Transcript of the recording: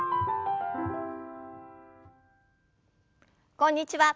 こんにちは。